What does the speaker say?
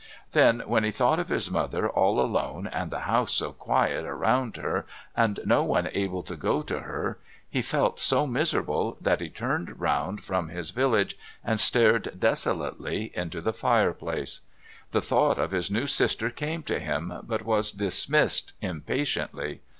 Then when he thought of his mother all alone and the house so quiet around her and no one able to go to her he felt so miserable that he turned round from his village and stared desolately into the fireplace. The thought of his new sister came to him, but was dismissed impatiently.